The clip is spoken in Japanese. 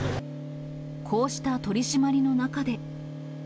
こうした取締りの中で。